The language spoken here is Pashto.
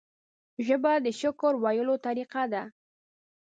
ژبه د شکر ویلو طریقه ده